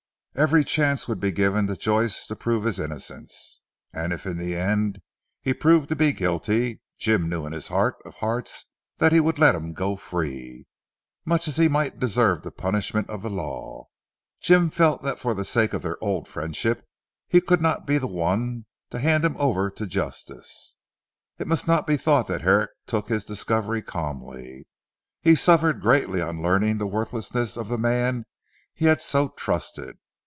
Every chance would be given to Joyce to prove his innocence. And if in the end he proved to be guilty, Jim knew in his heart of hearts that he would let him go free. Much as he might deserve the punishment of the law, Jim felt that for the sake of their old friendship he could not be the one to hand him over to Justice. It must not be thought that Herrick took his discovery calmly. He suffered greatly on learning the worthlessness of the man he had so trusted.